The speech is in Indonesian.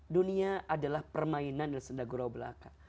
dunia adalah permainan dan senda gurau belaka